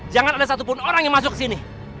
jangan ada satupun orang yang masuk sini